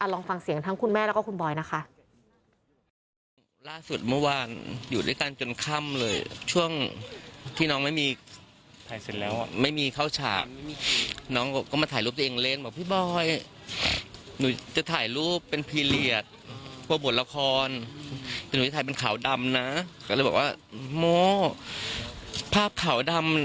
ลองฟังเสียงทั้งคุณแม่แล้วก็คุณบอยนะคะ